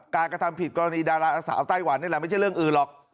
กระทำผิดกรณีดาราสาวไต้หวันนี่แหละไม่ใช่เรื่องอื่นหรอก